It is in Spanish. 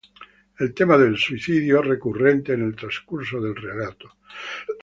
El tema del suicidio es recurrente en el transcurso del relato.